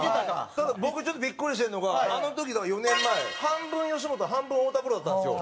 ただ僕ちょっとビックリしてるのがあの時だから４年前半分吉本半分太田プロだったんですよ。